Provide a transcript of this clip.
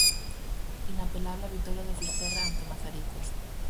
Inapelable a vitoria do Fisterra ante o Mazaricos.